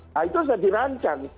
nah itu sudah dirancang